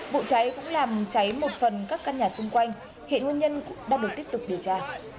vụ cháy cũng làm cháy một phần các căn nhà xung quanh hiện nguyên nhân đang được tiếp tục điều tra